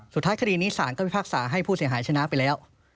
คดีนี้สารก็พิพากษาให้ผู้เสียหายชนะไปแล้ว